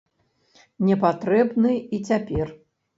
Не патрэбны і цяпер.